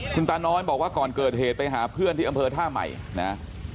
คุณตาน้อยบอกว่าก่อนเกิดเหตุไปหาเพื่อนที่อำเภอท่าใหม่นะ